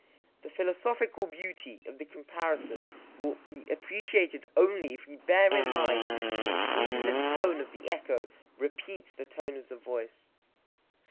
The philosophical beauty of the comparison will be appreciated only if we bear in mind that even the tone of the echo repeats the tone of the voice.